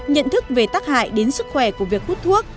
nhận thức về tác hại đến sức khỏe của việc hút thuốc